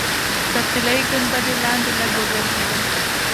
تر طلایي ګنبدې لاندې لږ وګرځېدم.